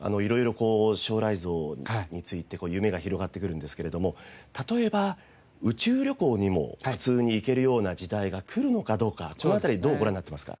色々将来像について夢が広がってくるんですけれども例えば宇宙旅行にも普通に行けるような時代が来るのかどうかこの辺りはどうご覧になってますか？